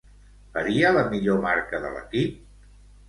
Faria la millor marca de l'equip?